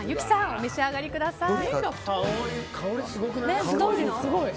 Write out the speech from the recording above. お召し上がりください。